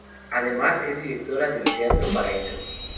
Además, es directora del teatro paraíso.